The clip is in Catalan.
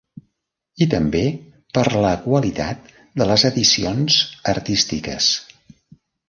I també per la qualitat de les edicions artístiques.